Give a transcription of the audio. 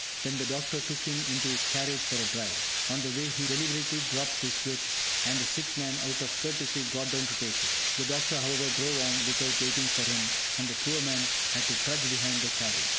Then the doctor took him into his carriage for a drive. On the way he deliberately dropped his whip, and the sick man, out of courtesy, got down to take it. The doctor, however, drove on without waiting for him, and the poor man had to trudge behind the carriage.